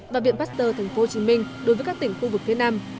và viện pasteur tp hcm đối với các tỉnh khu vực phía nam